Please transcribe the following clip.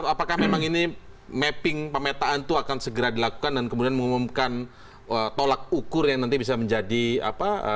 apakah memang ini mapping pemetaan itu akan segera dilakukan dan kemudian mengumumkan tolak ukur yang nanti bisa menjadi apa